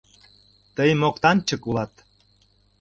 Тый моктанчык улат!